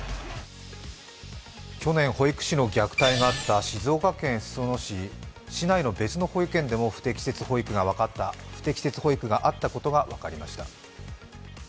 去年、保育士の虐待があった静岡県裾野市、市内の別の保育園でも不適切保育があったことが分かりました。